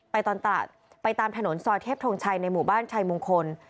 ตลาดไปตามถนนซอยเทพทงชัยในหมู่บ้านชัยมงคล